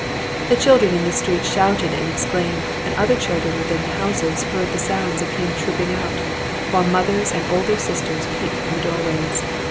The children in the street shouted and exclaimed, and other children within the houses heard the sounds and came trooping out, while mothers and older sisters peeped from the doorways.